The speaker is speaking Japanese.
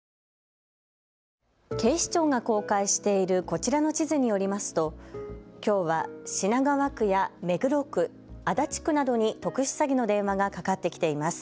警視庁が公開しているこちらの地図によりますときょうは品川区や目黒区、足立区などに特殊詐欺の電話がかかってきています。